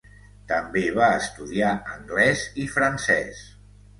També va estudiar anglès i francès.